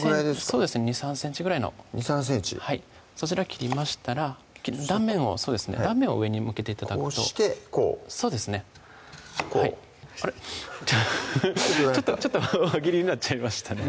そうですね２３ｃｍぐらいの２３ｃｍそちら切りましたら断面を上に向けて頂くとこうしてこうそうですねこうあれっフフフッちょっと輪切りになっちゃいましたね